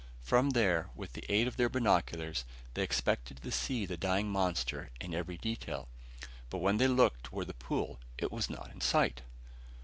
From there, with the aid of their binoculars, they expected to see the dying monster in every detail. But when they looked toward the pool it was not in sight!